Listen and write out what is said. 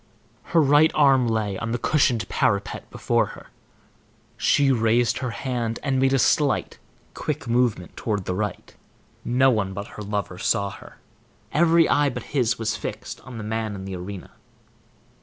Her right arm lay on the cushioned parapet before her. She raised her hand, and made a slight, quick movement toward the right. No one but her lover saw her. Every eye but his was fixed on the man in the arena.